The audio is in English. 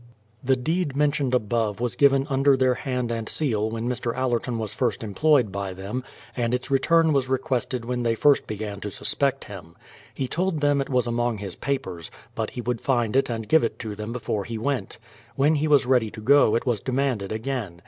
The deed mentioned above was given under their hand and seal when Mr. Allerton was first employed by them, and its return was requested when they first began to sus pect him. He told them it was among his papers, but he would find it and give it them before he went. When he was ready to go it was demanded again.